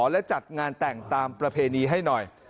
และจัดงานแต่งตามประเพณีให้หน่อย